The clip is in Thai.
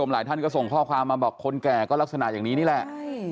แล้วก็ส่งข้อความมาบอกคนแก่มันก็ลักษณะอย่างนี้แหละ